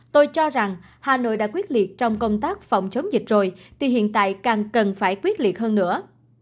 tôi cho rằng hà nội đã quyết liệt trong công tác phòng chống dịch rồi thì hiện tại càng cần phải quyết liệt hơn nữa